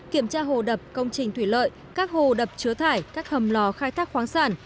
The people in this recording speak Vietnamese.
kiểm tra hồ đập công trình thủy lợi các hồ đập chứa thải các hầm lò khai thác khoáng sản